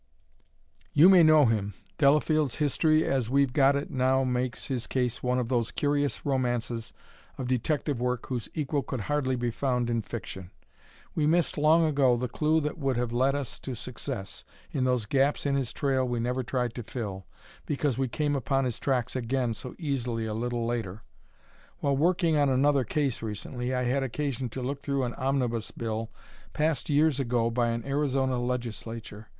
"You may know him. Delafield's history as we've got it now makes his case one of those curious romances of detective work whose equal could hardly be found in fiction. We missed long ago the clew that would have led us to success, in those gaps in his trail we never tried to fill, because we came upon his tracks again so easily a little later. While working on another case recently I had occasion to look through an omnibus bill passed years ago by an Arizona legislature.